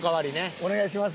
お願いします。